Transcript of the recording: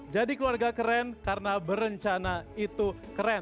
jadi keluarga keren karena berencana itu keren